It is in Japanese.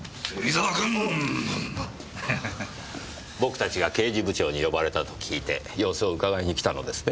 僕たちが刑事部長に呼ばれたと聞いて様子をうかがいに来たのですね。